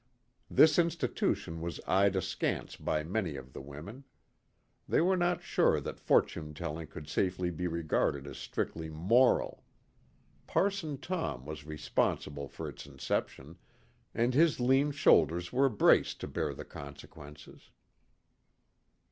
This institution was eyed askance by many of the women. They were not sure that fortune telling could safely be regarded as strictly moral. Parson Tom was responsible for its inception, and his lean shoulders were braced to bear the consequences.